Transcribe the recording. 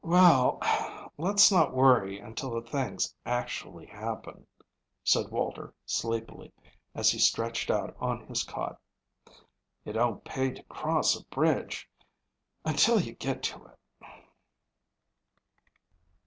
"Well, let's not worry until the things actually happen," said Walter sleepily, as he stretched out on his cot. "It don't pay to cross a bridge until you get to it."